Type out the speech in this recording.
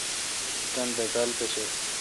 تو تان بیکال پیشہ۔